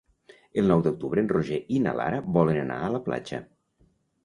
El nou d'octubre en Roger i na Lara volen anar a la platja.